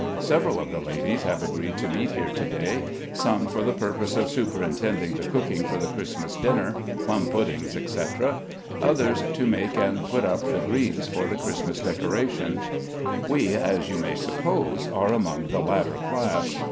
Several of the ladies have agreed to meet here to day; some for the purpose of superintending the cooking for the Christmas dinner, plum puddings, etc.; others to make and put up the greens for the Christmas decoration; we, as you may suppose, are among the latter class.